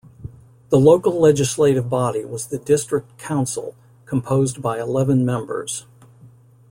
The local legislative body was the District Council, composed by eleven members.